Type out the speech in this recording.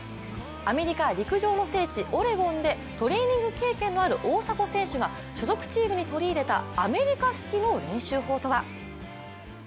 アメリカ陸上の聖地オレゴンでトレーニング経験のある大迫選手が所属チームに取り入れたアメリカ式の練習法とは？